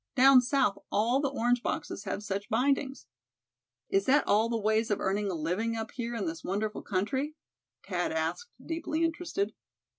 Down South all the orange boxes have such bindings." "Is that all the ways of earning a living up here in this wonderful country?" Thad asked, deeply interested.